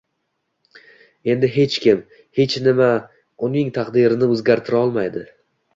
Endi hech kim, hech nima nima uning taqdirini o`zgartira olmaydi